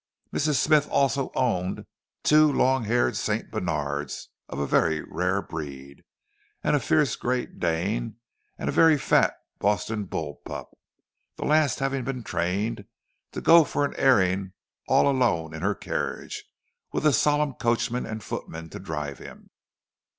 Mrs. Smythe also owned two long haired St. Bernards of a very rare breed, and a fierce Great Dane, and a very fat Boston bull pup—the last having been trained to go for an airing all alone in her carriage, with a solemn coachman and footman to drive him.